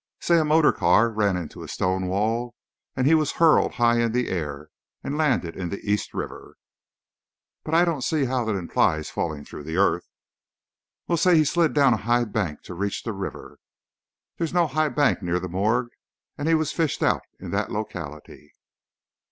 Say, a motor car ran into a stone wall, and he was hurled high in the air, and landed in the East River " "But I don't see how that implies falling through the earth." "Well, say he slid down a high bank to reach the river " "There's no high bank near the morgue, and he was fished out in that locality."